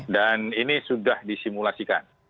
dan ini sudah disimulasikan